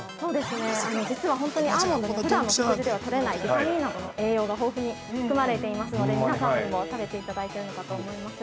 ◆実は、本当にアーモンドにはふだんの食事ではとれないビタミンＥなどの栄養が豊富に含まれていますので皆さんにも食べていただいているのかと思います。